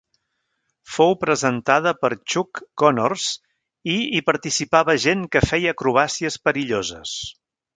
Fou presentada per Chuck Connors i hi participava gent que feia acrobàcies perilloses.